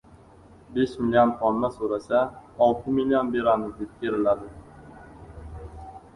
Besh million tonna so‘rasa, olti million beramiz, deb keriladi.